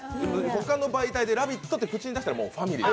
他の媒体で「ラヴィット！」って口に出したらもうファミリー。